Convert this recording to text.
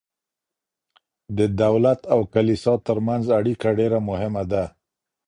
د دولت او کلیسا ترمنځ اړیکه ډیره مهمه ده.